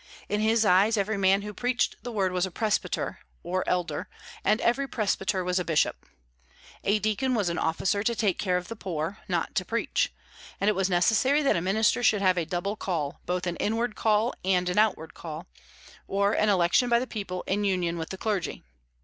In his eyes every man who preached the word was a presbyter, or elder; and every presbyter was a bishop. A deacon was an officer to take care of the poor, not to preach. And it was necessary that a minister should have a double call, both an inward call and an outward one, or an election by the people in union with the clergy.